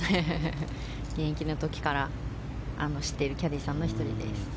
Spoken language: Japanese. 現役の時から知っているキャディーさんの１人です。